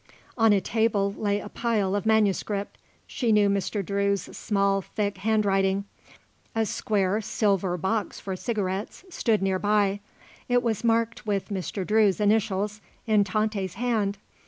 On a table lay a pile of manuscript; she knew Mr. Drew's small, thick handwriting. A square silver box for cigarettes stood near by; it was marked with Mr. Drew's initials in Tante's hand.